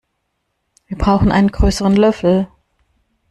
Wir brauchen einen größeren Löffel.